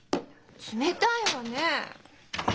冷たいわね！